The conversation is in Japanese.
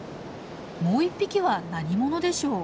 もう１匹は何者でしょう？